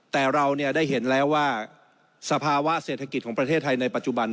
แต่เราได้เห็นแล้วว่าสภาวะเศรษฐกิจของประเทศไทยในปัจจุบัน